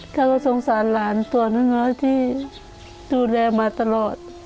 เขาก็สงสารหลานตัวน้อยที่ดูแลมาตลอด